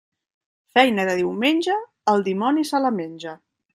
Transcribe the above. Feina de diumenge, el dimoni se la menja.